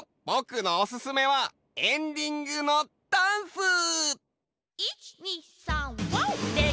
ぼくのおすすめはエンディングのダンス！